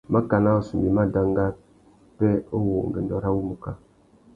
Makana « ussumbu i má danga pêh uwú ungüêndô râ wumuká ».